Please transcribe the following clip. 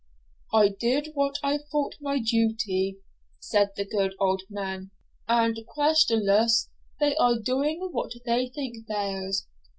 'I did what I thought my duty,' said the good old man, 'and questionless they are doing what they think theirs.